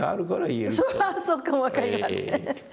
それはそうかも分かりません。